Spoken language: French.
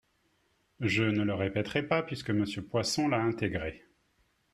Je ne le répéterai pas, puisque Monsieur Poisson l’a intégré.